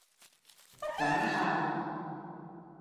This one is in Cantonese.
感嘆